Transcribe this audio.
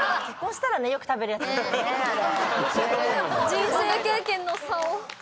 人生経験の差を。